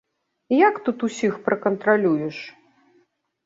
Як тут усіх пракантралюеш?